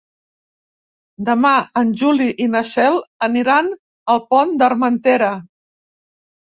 Demà en Juli i na Cel aniran al Pont d'Armentera.